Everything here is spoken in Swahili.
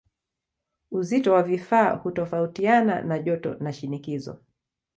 Uzito wa vifaa hutofautiana na joto na shinikizo.